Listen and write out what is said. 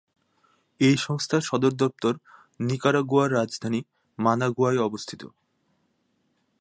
এই সংস্থার সদর দপ্তর নিকারাগুয়ার রাজধানী মানাগুয়ায় অবস্থিত।